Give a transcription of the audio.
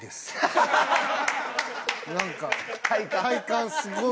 なんか体感すごい。